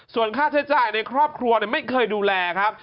ส่วนค่าใช้จ่ายในครอบครัวไม่เคยดูแลครับ